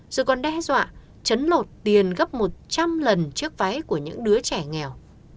rồi còn đe dọa chấn lột tiền gấp một trăm linh lần chiếc váy của những đứa trẻ nghèo